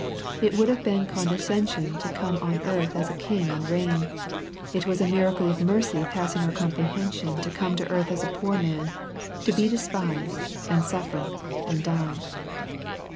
It would have been condescension to come on earth as a king and reign. It was a miracle of mercy passing our comprehension to come on earth as a poor man, to be despised, and suffer, and die.